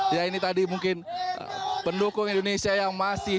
ya ini tadi mungkin pendukung indonesia yang masih